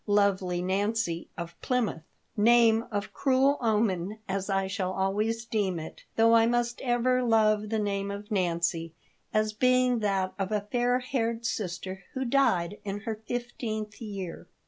Lovely Nancy, of Plymouth — name of cruel omen as I shall always deem it, though I must ever love the name of Nancy as being that of a fair haired sister who died in her fifteenth year.